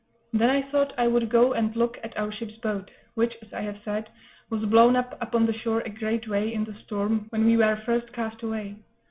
Then I thought I would go and look at our ship's boat, which, as I have said, was blown up upon the shore a great way, in the storm, when we were first cast away.